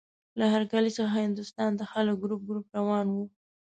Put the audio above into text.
له هر کلي څخه هندوستان ته خلک ګروپ ګروپ روان وو.